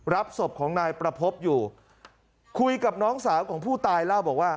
รับศพของนายประพบอยู่คุยกับน้องสาวของผู้ตายเล่าบอกว่า